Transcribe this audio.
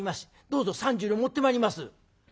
どうぞ３０両持ってまいります」。